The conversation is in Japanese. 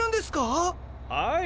はい。